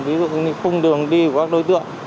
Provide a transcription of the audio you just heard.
ví dụ như khung đường đi của các đối tượng